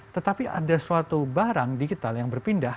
tetapi ada suatu barang digital yang berpindah